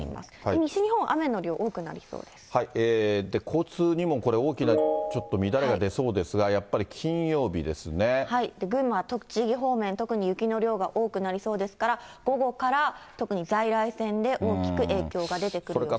西日本、交通にもこれ、大きなちょっと乱れが出そうですが、群馬、栃木方面、特に雪の量が多くなりそうですから、午後から特に在来線で大きく影響が出てくる予想です。